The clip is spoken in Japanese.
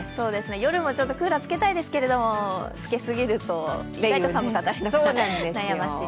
夜もクーラーつけたいですけどつけすぎると意外と寒かったり悩ましい。